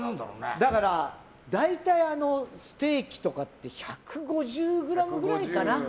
だから、大体ステーキとかって１５０ｇくらいかな。